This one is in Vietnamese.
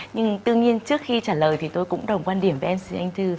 nhưng tương nhiên trước khi trả lời thì tôi cũng đồng quan điểm với em xin anh thư